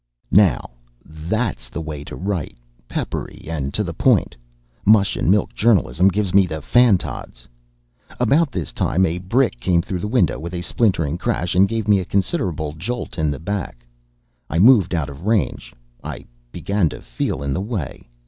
"Now that is the way to write peppery and to the point. Mush and milk journalism gives me the fan tods." About this time a brick came through the window with a splintering crash, and gave me a considerable of a jolt in the back. I moved out of range I began to feel in the way.